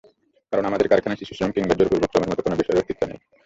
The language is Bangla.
কারণ আমাদের কারখানায় শিশুশ্রম কিংবা জোরপূর্বক শ্রমের মতো কোনো বিষয়ের অস্তিত্ব নেই।